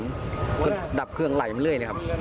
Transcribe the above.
ก็ดับเครื่องไหลมาเรื่อยเลยครับ